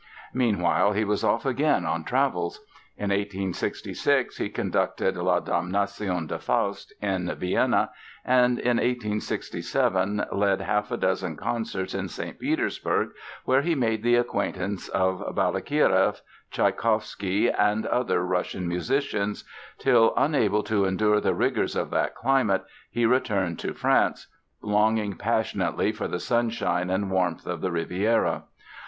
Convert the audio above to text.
Meanwhile, he was off again on travels. In 1866 he conducted "La Damnation de Faust" in Vienna and in 1867 led half a dozen concerts in St. Petersburg where he made the acquaintance of Balakireff, Tchaikovsky and other Russian musicians, till, unable to endure the rigors of that climate, he returned to France, longing passionately for the sunshine and warmth of the Riviera.